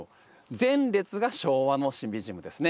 前列が昭和のシンビジウムですね。